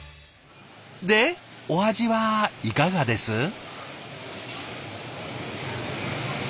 でお味はいかがです？